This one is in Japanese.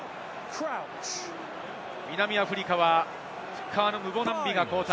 南アフリカはフッカーのムボナンビが交代。